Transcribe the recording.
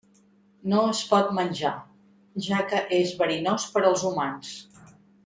No es pot menja, ja que és verinós per als humans.